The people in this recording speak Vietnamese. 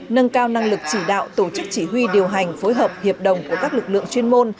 nâng cao năng lực chỉ đạo tổ chức chỉ huy điều hành phối hợp hiệp đồng của các lực lượng chuyên môn